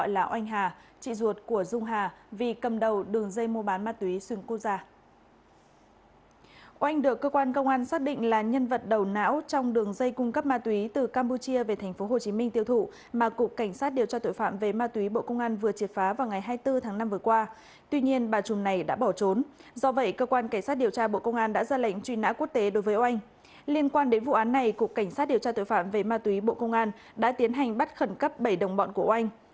liên quan đến vụ án này cục cảnh sát điều tra tội phạm về ma túy bộ công an đã tiến hành bắt khẩn cấp bảy đồng bọn của oanh